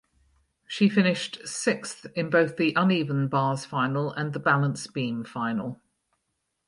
She finished sixth in both the uneven bars final and the balance beam final.